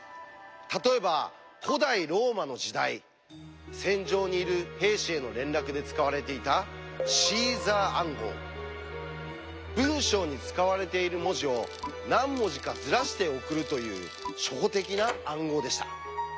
例えば古代ローマの時代戦場にいる兵士への連絡で使われていた文章に使われている文字を何文字かずらして送るという初歩的な暗号でした。